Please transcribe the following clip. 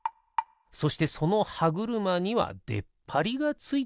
そしてそのはぐるまにはでっぱりがついている。